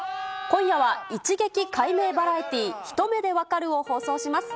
今夜は、一撃解明バラエティひと目でわかる！を放送します。